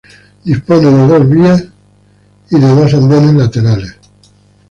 Dispone de dos dos vías y de dos andenes laterales.